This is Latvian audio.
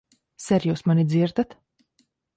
Ser, jūs mani dzirdat?